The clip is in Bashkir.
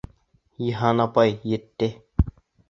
Йыһан апай, етте!